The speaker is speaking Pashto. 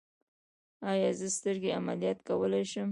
ایا زه سترګې عملیات کولی شم؟